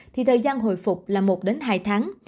thì thời gian hồi phục là một hai tháng